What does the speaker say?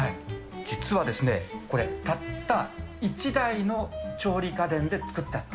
実はですね、これ、たった１台の調理家電で作っちゃった。